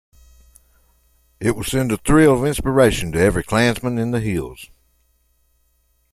It will send a thrill of inspiration to every clansmen in the hills.